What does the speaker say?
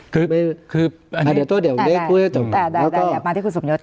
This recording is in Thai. คือคืออ่าเดี๋ยวตัวเดี๋ยวได้ได้ได้มาที่คุณสมยศครับ